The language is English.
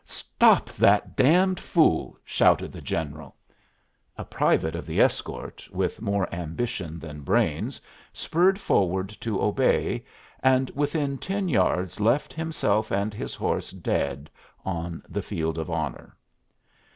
"Stop that damned fool!" shouted the general. A private of the escort, with more ambition than brains, spurred forward to obey, and within ten yards left himself and his horse dead on the field of honor.